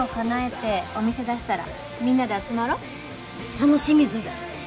楽しみぞよ。